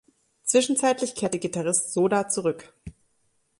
Zwischenzeitlich kehrte Gitarrist Soda zurück.